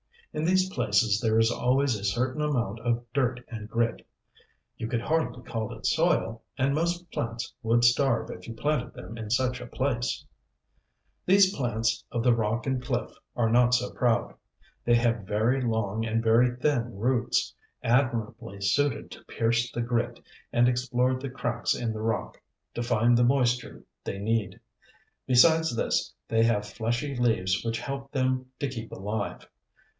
In these places there is always a certain amount of dirt and grit. You could hardly call it "soil," and most plants would starve if you planted them in such a place. [Illustration: SEA LILY.] These plants of the rock and cliff are not so proud. They have very long and very thin roots, admirably suited to pierce the grit, and explore the cracks in the rock, to find the moisture they need. Besides this, they have fleshy leaves which help them to keep alive.